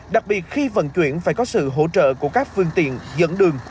đặc biệt khi vận chuyển phải có sự hỗ trợ của các phương tiện dẫn đường